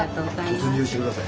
突入して下さい。